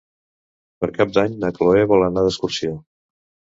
Per Cap d'Any na Chloé vol anar d'excursió.